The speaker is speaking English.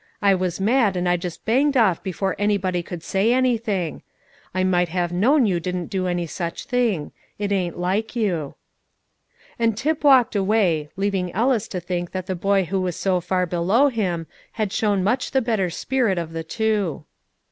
I was mad, and I just banged off before anybody could say anything. I might have known you didn't do any such thing; it ain't like you." And Tip walked away, leaving Ellis to think that the boy who was so far below him had shown much the better spirit of the two.